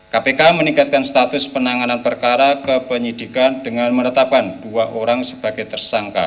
kpk meningkatkan status penanganan perkara kepenyidikan dengan menetapkan dua orang sebagai tersangka